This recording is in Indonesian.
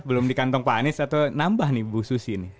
belum di kantong pak anies atau nambah nih bu susi ini